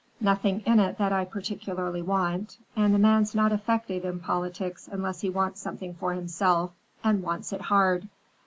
Nothing in it that I particularly want; and a man's not effective in politics unless he wants something for himself, and wants it hard.